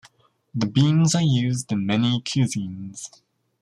The beans are used in many cuisines.